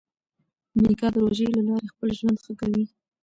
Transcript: میکا د روژې له لارې خپل ژوند ښه کوي.